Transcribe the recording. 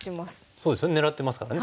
そうですよね狙ってますからね。